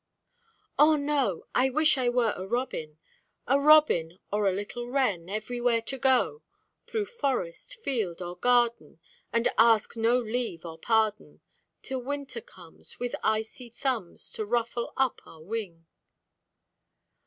O no! I wish I were a Robin, A Robin or a little Wren, everywhere to go; Through forest, field, or garden, And ask no leave or pardon, Till Winter comes with icy thumbs To ruffle up our wing.